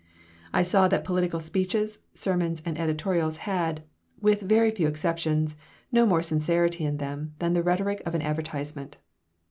I saw that political speeches, sermons, and editorials had, with very few exceptions, no more sincerity in them than the rhetoric of an advertisement.